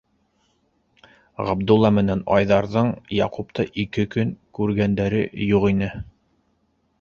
Ғабдулла менән Айҙарҙың Яҡупты ике көн күргәндәре юҡ ине.